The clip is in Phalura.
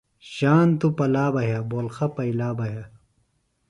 ژان توۡ پلا بہ یھہ بولقع پیِئلا بہ یھہ۔